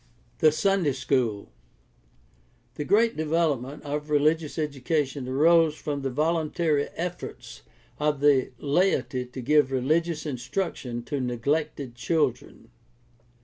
The Sunday schooL — The great development of religious education arose from the voluntary efforts of the laity to give religious instruction to neglected children.